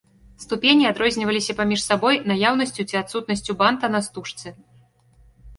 Ступені адрозніваліся паміж сабой наяўнасцю ці адсутнасцю банта на стужцы.